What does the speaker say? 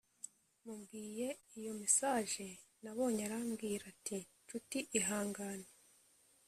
mubwiye iyo mesaje nabonye arambwira ati nshuti ihangane